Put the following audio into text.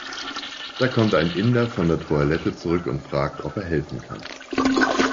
Da kommt ein Inder von der Toilette zurück und fragt, ob er helfen kann.